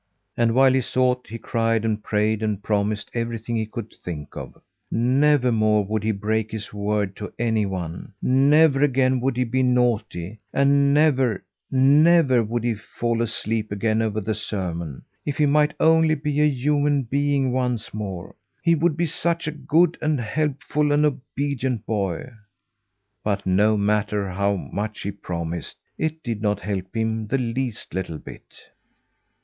And while he sought, he cried and prayed and promised everything he could think of. Nevermore would he break his word to anyone; never again would he be naughty; and never, never would he fall asleep again over the sermon. If he might only be a human being once more, he would be such a good and helpful and obedient boy. But no matter how much he promised it did not help him the least little bit.